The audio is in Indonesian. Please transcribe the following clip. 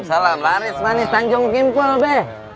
salam laris manis tanjung kimpul be